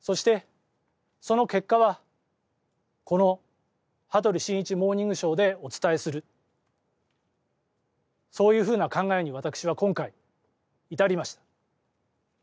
そして、その結果はこの「羽鳥慎一モーニングショー」でお伝えするそういうふうな考えに私は今回、至りました。